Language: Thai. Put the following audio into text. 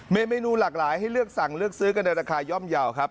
มีเมนูหลากหลายให้เลือกสั่งเลือกซื้อกันในราคาย่อมเยาว์ครับ